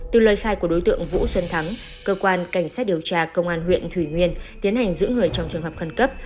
từ lời khai của đối tượng vũ xuân thắng cơ quan cảnh sát điều tra công an huyện thủy nguyên tiến hành giữ người trong trường hợp khẩn cấp